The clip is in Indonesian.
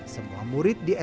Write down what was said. semua murid di sma